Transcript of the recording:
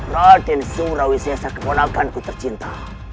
raden surawi sesa keponakan ku tercinta